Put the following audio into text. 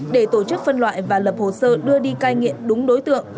để tổ chức phân loại và lập hồ sơ đưa đi cai nghiện đúng đối tượng